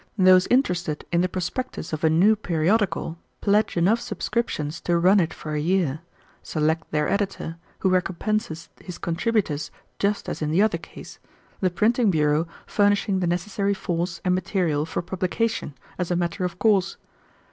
Those interested in the prospectus of a new periodical pledge enough subscriptions to run it for a year; select their editor, who recompenses his contributors just as in the other case, the printing bureau furnishing the necessary force and material for publication, as a matter of course.